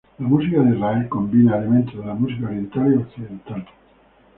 La música de Israel combina elementos de la música oriental y occidental.